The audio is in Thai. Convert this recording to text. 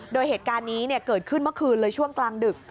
โดยเหตุการณ์นี้เกิดขึ้นเมื่อคืนเลยช่วงกลางดึก